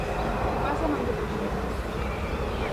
¿Que pasa no anteproxecto?